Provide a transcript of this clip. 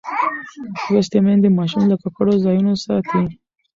لوستې میندې ماشوم له ککړو ځایونو ساتي.